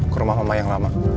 ke rumah rumah yang lama